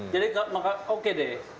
jadi maka oke deh